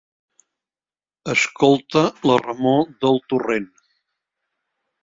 Escolta la remor del torrent.